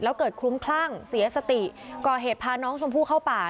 แล้วเกิดคลุ้มคลั่งเสียสติก่อเหตุพาน้องชมพู่เข้าป่า